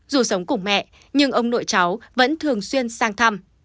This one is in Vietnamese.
dù sống cùng mẹ nhưng ông nội cháu vẫn thường xuyên sang thăm